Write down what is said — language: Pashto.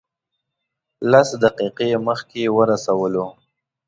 لس دقیقې مخکې ورسولو.